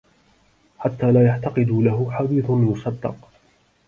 حَتَّى لَا يُعْتَقَدُ لَهُ حَدِيثٌ يُصَدَّقُ